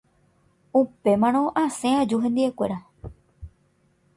Upémarõ asẽ aju hendivekuéra.